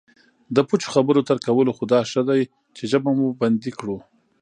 د پوچو خبرو تر کولو خو دا ښه دی چې ژبه مو بندي کړو